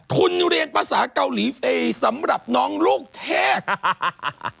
ทุนนิวเรียนภาษาเกาหลีฟรีสำหรับน้องลูกเทพ